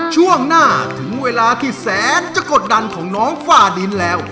ช่วงหน้าถึงเวลาที่แสนจะกดดันของน้องฝ้าดินแล้ว